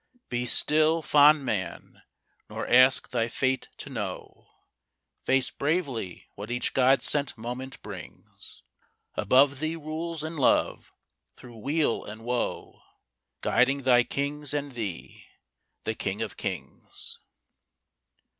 Be still, fond man: nor ask thy fate to know. Face bravely what each God sent moment brings. Above thee rules in love, through weal and woe, Guiding thy kings and thee, the King of kings.